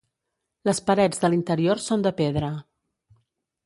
Les parets de l'interior són de pedra.